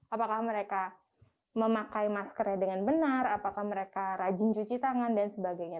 apakah mereka memakai maskernya dengan benar apakah mereka rajin cuci tangan dan sebagainya